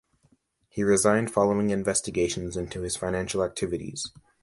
He resigned following investigations into his financial activities.